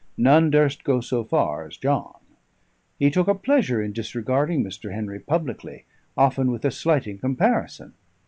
None durst go so far as John. He took a pleasure in disregarding Mr. Henry publicly, often with a slighting comparison.